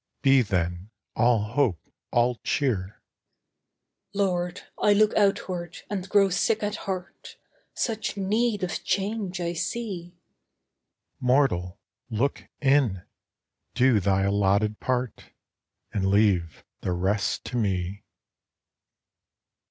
SPIRIT Be, then, all hope, all cheer. MORTAL Lord, I look outward and grow sick at heart, Such need of change I see. SPIRIT Mortal, look in. Do thy allotted part, And leave the rest to ME.